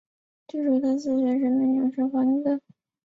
据说他四岁时便能吟诵薄伽梵歌。